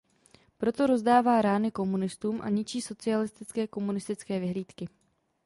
Proto rozdává rány komunistům a ničí socialistické/komunistické vyhlídky.